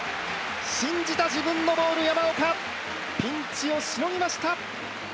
信じた自分のボール山岡、ピンチをしのぎました。